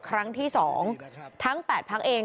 ครั้งที่๒ทั้ง๘พักเอง